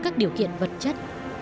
các điều kiện vật chất